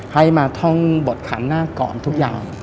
ให้มาท่องบทขันหน้าก่อนทุกอย่าง